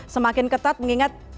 semakin ketat mengingat